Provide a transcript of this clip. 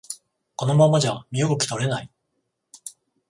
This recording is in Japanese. このままじゃ身動き取れない